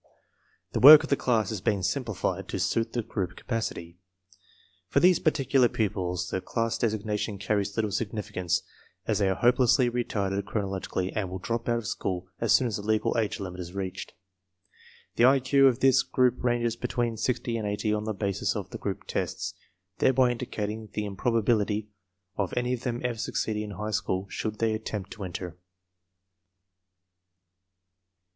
The work of the class is being simplified to suit the group capacity. For these particular pupils the class designation carries little significance, as they are hopelessly retarded chronologically and will drop out of school as soon as the legal age limit is reached. The IQ of this group ranges between 60 and 80 on the basis of the group tests, thereby indicating the improbability of any of them ever succeeding in high school should they attempt to enter.